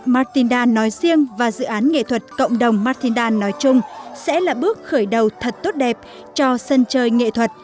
martinda nói riêng và dự án nghệ thuật cộng đồng martinda nói chung sẽ là bước khởi đầu thật tốt đẹp cho sân chơi nghệ thuật